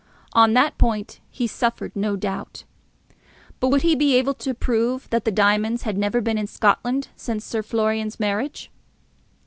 On that point he suffered no doubt. But would he be able to prove that the diamonds had never been in Scotland since Sir Florian's marriage?